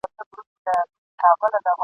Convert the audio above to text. د لېوه کور بې هډوکو نه وي !.